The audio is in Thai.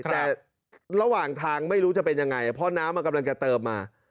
แต่ระหว่างทางไม่รู้จะเป็นยังไงเพราะน้ำมันกำลังจะเติมมา